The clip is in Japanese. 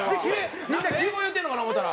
なんか英語言うてんのかな思うたら。